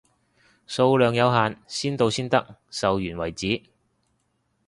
數量有限，先到先得，售完為止，